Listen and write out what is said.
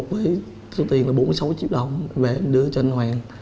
một với số tiền là bốn mươi sáu triệu đồng về em đưa cho anh hoàng